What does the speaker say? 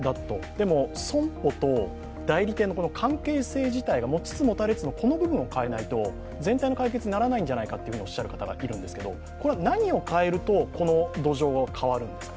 でも、損保と代理店の関係性自体が持ちつ持たれつのこの部分を変えないと全体の解決にならないんじゃないかとおっしゃる方もいるんですがこれは何を変えると、この土壌が変わるんですか？